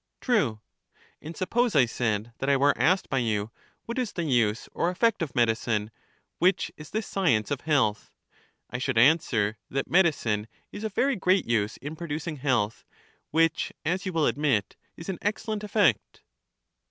True. And suppose, I said, that I were asked by you what is the use or effect of medicine, which is this science of health, I should answer that medicine is of very great use in producing health, which, as you will admit, is an excellent effect.